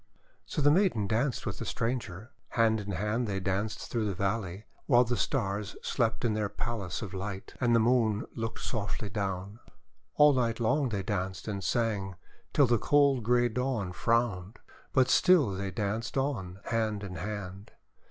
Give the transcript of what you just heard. '' So the maiden danced wTith the stranger. Hand in hand they danced through the valley while the Stars slept in their palace of light, and the Moon looked softly down. All night long they danced and sang, till the cold grey Dawn frowned. But still they danced on, hand in hand.